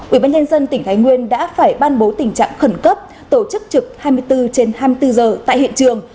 ubnd tỉnh thái nguyên đã phải ban bố tình trạng khẩn cấp tổ chức trực hai mươi bốn trên hai mươi bốn giờ tại hiện trường